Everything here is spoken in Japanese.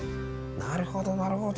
なるほどなるほど。